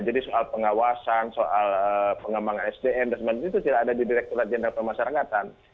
jadi soal pengawasan soal pengembangan sdm dan sebagainya itu tidak ada di direkturat jenderal pemasarakatan